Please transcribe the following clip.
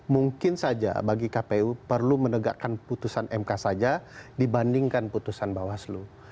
mungkin saja bagi kpu perlu menegakkan putusan mk saja dibandingkan putusan bawaslu